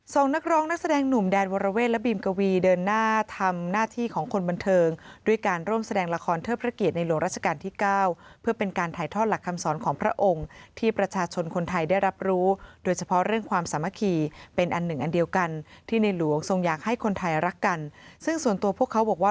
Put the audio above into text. นักร้องนักแสดงหนุ่มแดนวรเวทและบีมกวีเดินหน้าทำหน้าที่ของคนบันเทิงด้วยการร่วมแสดงละครเทิดพระเกียรติในหลวงราชการที่เก้าเพื่อเป็นการถ่ายทอดหลักคำสอนของพระองค์ที่ประชาชนคนไทยได้รับรู้โดยเฉพาะเรื่องความสามัคคีเป็นอันหนึ่งอันเดียวกันที่ในหลวงทรงอยากให้คนไทยรักกันซึ่งส่วนตัวพวกเขาบอกว่า